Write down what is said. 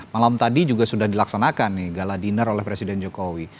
malam tadi juga sudah dilaksanakan nih gala dinner oleh presiden jokowi